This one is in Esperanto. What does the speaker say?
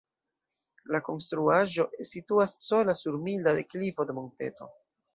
La konstruaĵo situas sola sur milda deklivo de monteto.